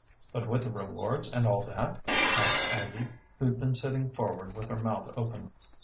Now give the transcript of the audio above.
"But with the rewards and all that?" asked Aggie, who'd been sitting forward with her mouth open.